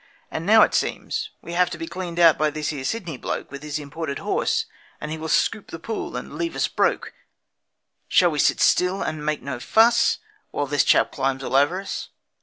'And now, it seems, we have to be Cleaned out by this here Sydney bloke, With his imported horse; and he Will scoop the pool and leave us broke Shall we sit still, and make no fuss While this chap climbs all over us?'